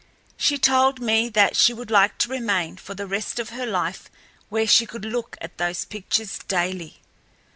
She told me that she would like to remain for the rest of her life where she could look at those pictures daily.